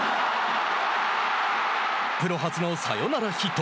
プロ初のサヨナラヒット。